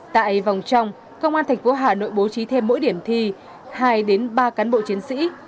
tại vòng trong công an thành phố hà nội bố trí thêm mỗi điểm thi hai ba cán bộ chiến sĩ